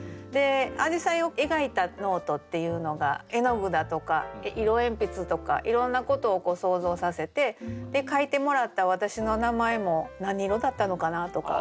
「あじさいを描いたノート」っていうのが絵の具だとか色鉛筆とかいろんなことを想像させて書いてもらった「わたしの名前」も何色だったのかなとか。